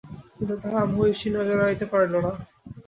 কিন্তু তাহা মহিষীর নজর এড়াইতে পারিল না।